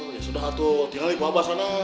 ya sudah tinggal di kubah kubah sana